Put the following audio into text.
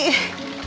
ya udah deh